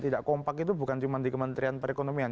tidak kompak itu bukan cuma di kementerian perekonomian